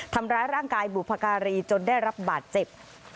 ทำร้ายร่างกายบุพการีจนได้รับบาดเจ็บ